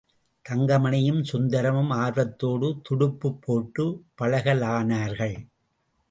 தங்கமணியும் சுந்தரமும் ஆர்வத்தோடு துடுப்புப் போட்டுப் பழகலானார்கள்.